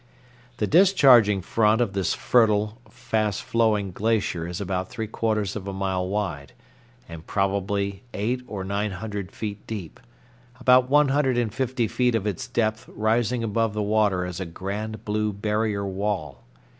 The discharging front of this fertile, fast flowing glacier is about three quarters of a mile wide, and probably eight or nine hundred feet deep, about one hundred and fifty feet of its depth rising above the water as a grand blue barrier wall.